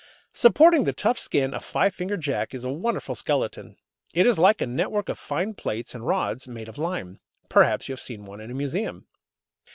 Supporting the tough skin of Five fingered Jack is a wonderful skeleton. It is like a network of fine plates and rods made of lime. Perhaps you have seen one in a museum.